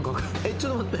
ちょっと待って。